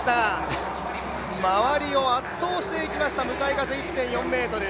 周りを圧倒していきました、向かい風１．４メートル。